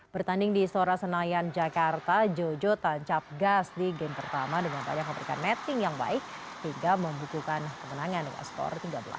bertanding di stora senayan jakarta jojo tancap gas di game pertama dengan banyak pemberikan matching yang baik hingga membukukan kemenangan dengan skor tiga belas dua puluh satu